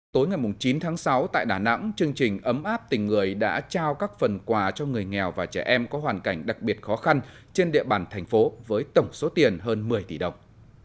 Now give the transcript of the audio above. tối ngày chín tháng sáu tại đà nẵng chương trình ấm áp tình người đã trao các phần quà cho người nghèo và trẻ em có hoàn cảnh đặc biệt khó khăn trên địa bàn thành phố với tổng số tiền hơn một mươi tỷ đồng